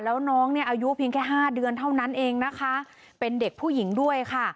แล้วน้องเนี่ยอายุเพียงแค่ห้าเดือนเท่านั้นเองนะคะเป็นเด็กผู้หญิงด้วยค่ะ